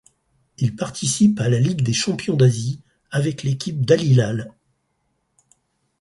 Il participe à la Ligue des champions d'Asie avec l'équipe d'Al-Hilal.